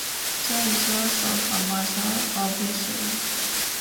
There is loss of a mother, obviously.